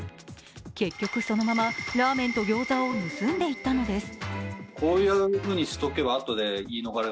結局そのままラーメンとギョーザを盗んでいったのです。